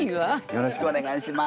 よろしくお願いします。